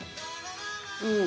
うん。